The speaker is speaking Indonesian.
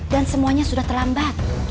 dan semuanya sudah terlambat